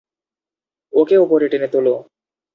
ওকে উপরে টেনে তোলো।